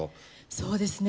そうですね